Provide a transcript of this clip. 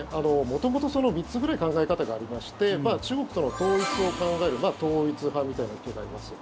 元々、３つくらい考え方がありまして中国との統一を考える統一派みたいな人がいます。